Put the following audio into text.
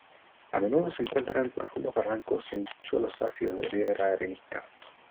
A menudo se encuentra en profundos barrancos en suelos ácidos de piedra arenisca.